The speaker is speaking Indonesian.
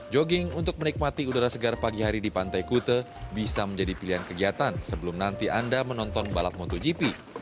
jogging untuk menikmati udara segar pagi hari di pantai kute bisa menjadi pilihan kegiatan sebelum nanti anda menonton balap motogp